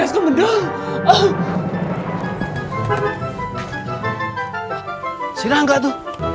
sampai jumpa di video selanjutnya